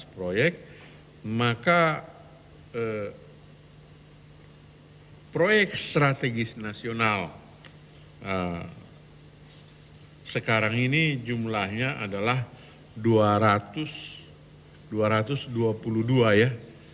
proyek maka proyek strategis nasional sekarang ini jumlahnya adalah dua ratus dua puluh dua ya